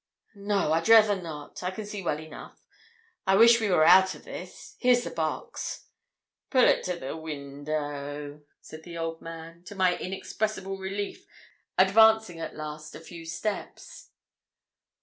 'No, I'd rayther not; I can see well enough. I wish we were out o' this. Here's the box.' 'Pull it to the window,' said the old man, to my inexpressible relief advancing at last a few steps.